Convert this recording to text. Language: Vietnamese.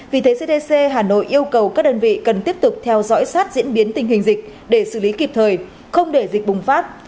vì thế cdc hà nội yêu cầu các đơn vị cần tiếp tục theo dõi sát diễn biến tình hình dịch để xử lý kịp thời không để dịch bùng phát